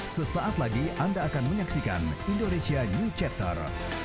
sesaat lagi anda akan menyaksikan indonesia new chapter